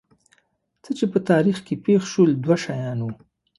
څه چې په تاریخ کې پېښ شول دوه شیان وو.